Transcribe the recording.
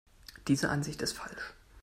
Diese Ansicht ist falsch.